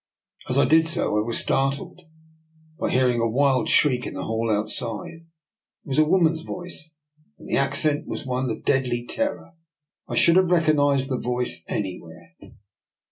As I did so, I was startled by hearing a wild shriek in the hall outside. It was a woman's voice, and the accent was one of deadly terror. I should have recognised the voice anywhere.